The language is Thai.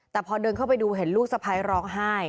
แต่พอเดินเข้าไปดูเห็นลูกสะพ้ายร้องไห้